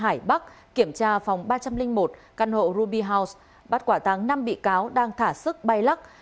hải bắc kiểm tra phòng ba trăm linh một căn hộ ruby house bắt quả tăng năm bị cáo đang thả sức bay lắc